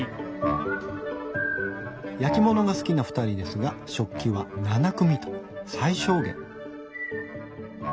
焼き物が好きなふたりですが食器は７組と最小限。